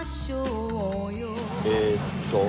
えっと